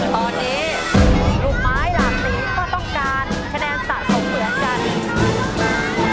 ตอนนี้ลูกไม้หลากสีก็ต้องการคะแนนสะสมเหมือนกัน